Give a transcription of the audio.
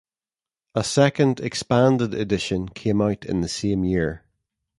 A second expanded edition came out in the same year.